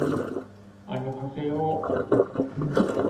あにょはせよ